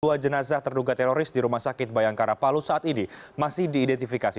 dua jenazah terduga teroris di rumah sakit bayangkara palu saat ini masih diidentifikasi